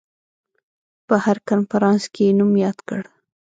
په هر کنفرانس کې یې نوم یاد کړ.